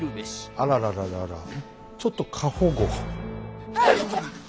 あららららちょっと過保護。